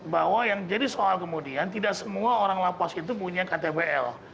bahwa yang jadi soal kemudian tidak semua orang lapas itu punya ktbl